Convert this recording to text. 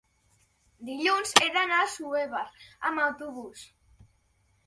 Dilluns he d'anar a Assuévar amb autobús.